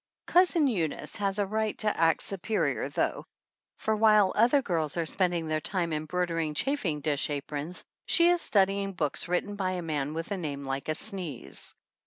Cousin Eunice has a right to act superior, though, for while other girls are spending their time embroidering chafing dish aprons she is studying books written by a man with a name like a sneeze.